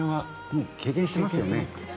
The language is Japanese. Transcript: もう経験してますよね？